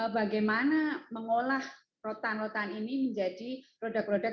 bagaimana mengolah rotan rotan ini menjadi produk produk